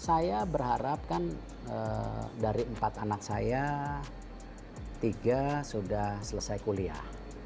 saya berharapkan dari empat anak saya tiga sudah selesai kuliah